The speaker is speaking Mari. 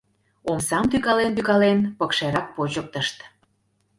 Омсам тӱкален-тӱкален, пыкшерак почыктышт.